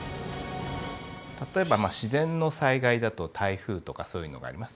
例えば自然の災害だと台風とかそういうのがあります。